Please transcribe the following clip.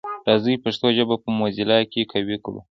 راځی پښتو ژبه په موزیلا کي قوي کړو.